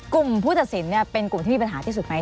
กลุ่มผู้ตัดสินเป็นกลุ่มที่มีปัญหาที่สุดไหม